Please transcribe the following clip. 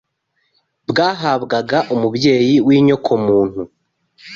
bwahabwaga umubyeyi w’inyokomuntu